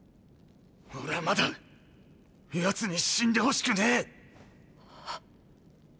俺はまだ奴に死んでほしくねぇ！